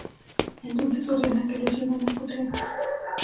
Entonces ordena que los lleven al potrero.